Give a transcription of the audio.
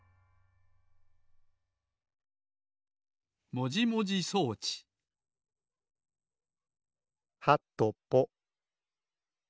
もじもじ装置はとぽ。